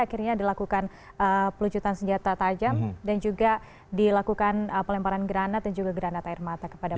akhirnya dilakukan pelucutan senjata tajam dan juga dilakukan pelemparan granat dan juga granat air mata kepada mereka